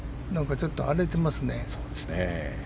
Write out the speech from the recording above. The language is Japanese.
ちょっと荒れてますね。